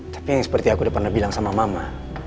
tapi yang seperti aku udah pernah bilang sama mama